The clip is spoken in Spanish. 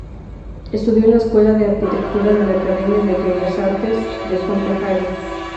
Estudió en la Escuela de Arquitectura de la Academia de Bellas Artes de Copenhague.